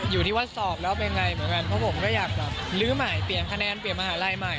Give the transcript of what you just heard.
อยู่ที่ว่าสอบแล้วเป็นไงเหมือนกันเพราะผมก็อยากแบบลื้อใหม่เปลี่ยนคะแนนเปลี่ยนมหาลัยใหม่